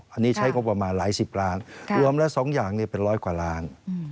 อันนี้ใช้งบประมาณหลายสิบล้านรวมแล้ว๒อย่างเป็นร้อยกว่าล้าน